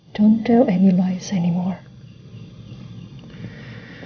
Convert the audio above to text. jangan lakukan kebohongan lagi